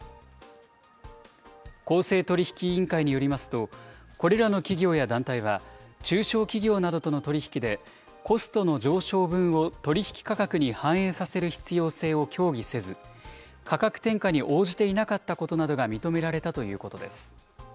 公正取引委員会によりますと、これらの企業や団体は、中小企業などとの取り引きで、コストの上昇分を取り引き価格に反映させる必要性を協議せず、価格転嫁に応じていなかったことなどが認められたということです。